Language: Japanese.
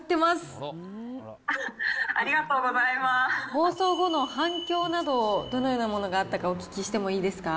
放送後の反響など、どのようなものがあったかお聞きしてもいいですか。